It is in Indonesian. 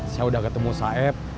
saya udah ketemu saeb